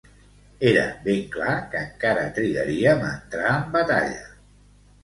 Era ben clar que encara trigaríem a entrar en batalla